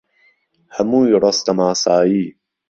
هەمووی ڕۆستەم ئاسایی